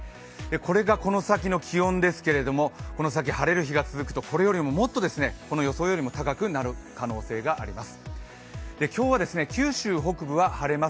これがこの先の気温ですけれども、この先、晴れる日が続くとこれよりももっとこの予想よりも高くなるおそれがあります。